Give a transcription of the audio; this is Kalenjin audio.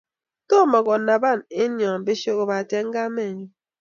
tomo kanaban eng nyo besho kobate kamenyu.